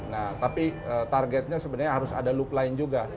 nah tapi targetnya sebenarnya harus ada loop lain juga